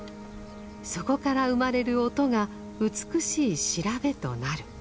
そこから生まれる音が美しい調べとなる。